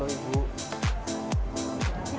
boleh nyaza lite bag